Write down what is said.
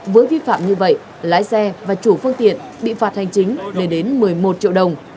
với vi phạm như vậy lái xe và chủ phương tiện bị phạt hành chính lên đến một mươi một triệu đồng